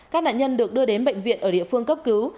các nạn nhân được đưa đến bệnh viện ở địa phương cấp cứu